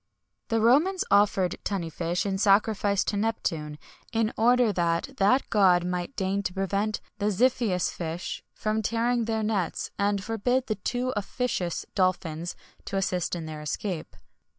[XXI 104] The Romans offered tunny fish in sacrifice to Neptune, in order that that god might deign to prevent the xiphias fish from tearing their nets, and forbid the too officious dolphins to assist in their escape.